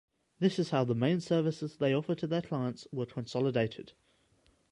This is how the main services they offer to their clients were consolidated.